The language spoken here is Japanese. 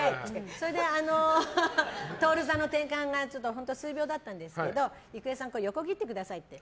それで徹座の転換が数秒だったんですけど郁恵さん、横切ってくださいって。